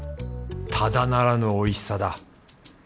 ただならぬおいしさだ。